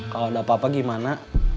kalau ada apa apa gimana